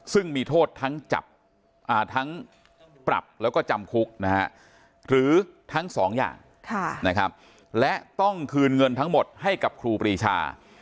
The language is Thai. ซึ่งมีโทษทั้งปรับแล้วก็จำคุกหรือทั้งสองอย่างและต้องคืนเงินทั้งหมดให้กับครูปรีชา